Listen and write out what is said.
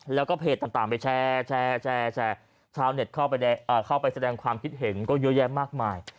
แล้วก็เพจต่างไปแชร์ชาวเน็ตเข้าไปแสดงความคิดเห็นก็เยอะแยะมากมาย